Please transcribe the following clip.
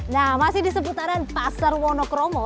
nah masih di seputaran pasar wonokromo